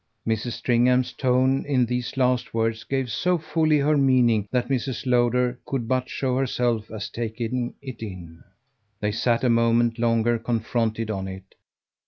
Mrs. Stringham's tone in these last words gave so fully her meaning that Mrs. Lowder could but show herself as taking it in. They sat a moment longer confronted on it.